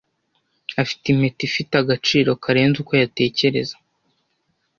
Afite impeta ifite agaciro karenze uko yatekereza.